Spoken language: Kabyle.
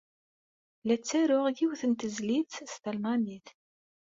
La ttaruɣ yiwet n tezlit s talmanit.